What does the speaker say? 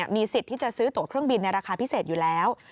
มีสิทธิ์ที่จะซื้อตัวเครื่องบินในราคาพิเศษอยู่แล้ว